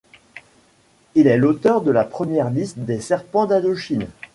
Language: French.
Il est l'auteur de la première liste des Serpents d'Indochine.